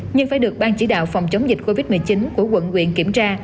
nhưng phải được ban chỉ đạo phòng chống dịch covid một mươi chín của quận quyện kiểm tra